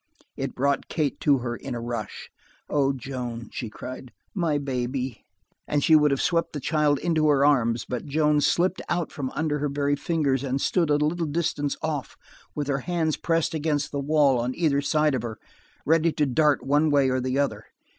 It brought Kate to her in a rush. "Oh Joan!" she cried. "My baby!" And she would have swept the child into her arms, but Joan slipped out from under her very fingers and stood a little distance off with her hands pressed against the wall on either side of her, ready to dart one way or the other.